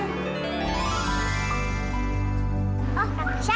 oh kak tasya